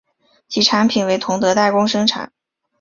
其产品为同德代工生产。